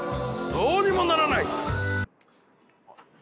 どうにもならない。